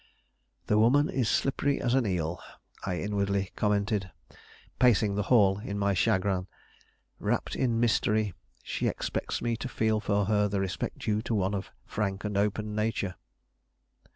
"The woman is slippery as an eel," I inwardly commented, pacing the hall in my chagrin. "Wrapped in mystery, she expects me to feel for her the respect due to one of frank and open nature."